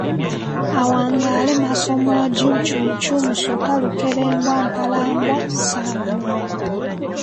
Awangaale Maasomoogi, Ccuucu, Musota, Lukeberwa, Mpalabwa, Ssaabalongo.